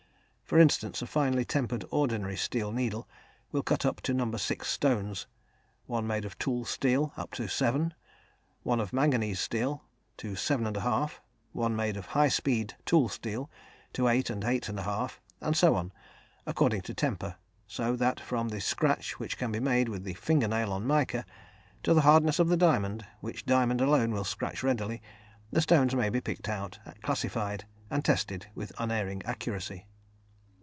For instance, a finely tempered ordinary steel needle will cut up to No. 6 stones; one made of tool steel, up to 7; one of manganese steel, to 7 1/2; one made of high speed tool steel, to 8 and 8 1/2, and so on, according to temper; so that from the scratch which can be made with the finger nail on mica, to the hardness of the diamond, which diamond alone will scratch readily, the stones may be picked out, classified and tested, with unerring accuracy.